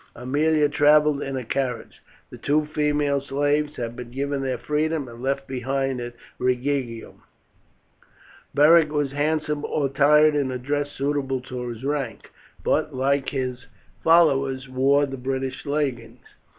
Aemilia travelled in a carriage; the two female slaves had been given their freedom and left behind at Rhegium. Beric was handsomely attired in a dress suitable to his rank, but, like his followers, wore the British leggings.